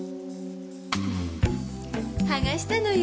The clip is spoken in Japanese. はがしたのよ。